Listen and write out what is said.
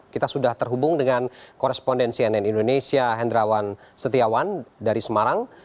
kita sudah terhubung dengan koresponden cnn indonesia hendrawan setiawan dari semarang